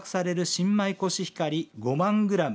新米コシヒカリ５万グラム。